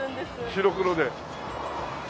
白黒で。